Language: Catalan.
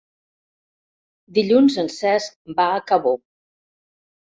Dilluns en Cesc va a Cabó.